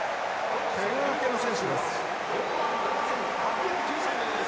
けが明けの選手です。